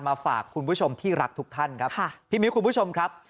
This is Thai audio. มาฝากคุณผู้ชมที่รักทุกท่านครับค่ะพี่มิ้วคุณผู้ชมครับ